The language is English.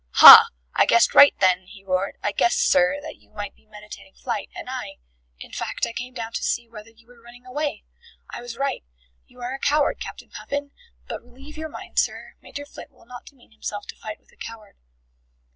"Ha! I guessed right then," he roared. "I guessed, sir, that you might be meditating flight, and I in fact, I came down to see whether you were running away. I was right. You are a coward, Captain Puffin! But relieve your mind, sir. Major Flint will not demean himself to fight with a coward."